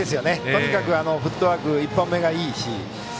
とにかくフットワーク１歩目がいいし。